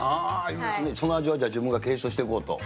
その味を自分が継承していこうと。